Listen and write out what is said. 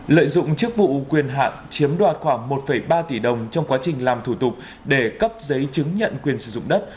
lợi dụng chức vụ quyền hạn chiếm đoạt khoảng một ba tỷ đồng trong quá trình làm thủ tục để cấp giấy chứng nhận quyền sử dụng đất